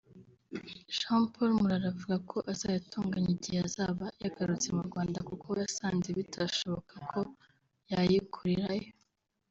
Jean Paul Murara avuga ko azayatunganya igihe azaba yagarutse mu Rwanda kuko yasanze bitashoboka ko yayikorerayo